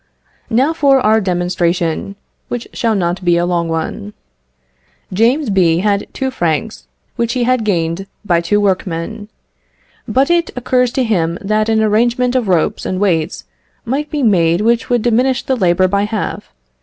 Now for our demonstration, which shall not be a long one. James B. had two francs which he had gained by two workmen; but it occurs to him that an arrangement of ropes and weights might be made which would diminish the labour by half.